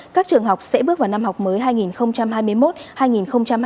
các trường học sẽ bước vào năm học mới hai nghìn hai mươi một hai nghìn hai mươi năm